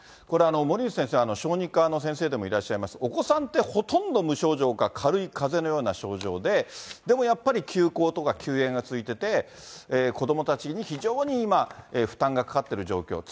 これ、森内先生は小児科の先生でもいらっしゃいます、お子さんって、ほとんど無症状か軽いかぜのような症状で、でもやっぱり休校とか休園が続いてて、子どもたちに非常に今、負担がかかってる状況。